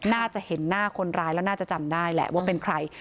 น่าจะเห็นหน้าคนร้ายแล้วน่าจะจำได้แหละว่าเป็นใคร